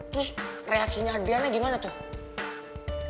terus reaksinya adriana gimana tuh